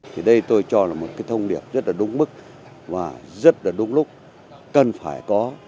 thì đây tôi cho là một cái thông điệp rất là đúng mức và rất là đúng lúc cần phải có